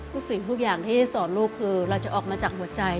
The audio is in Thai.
สิ่งทุกอย่างที่สอนลูกคือเราจะออกมาจากหัวใจ